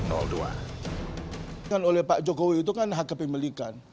kalau disampaikan oleh pak jokowi itu kan hak kepemilikan